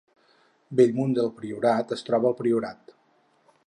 Bellmunt del Priorat es troba al Priorat